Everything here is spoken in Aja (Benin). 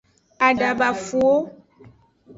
Adabafuwo.